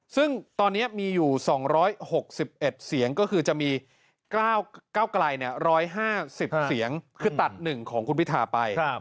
ซึ่งตอนนี้มีอยู่๒๖๑เสียงก็คือจะมีก้าวไกล๑๕๐เสียงคือตัด๑ของคุณพิธาไป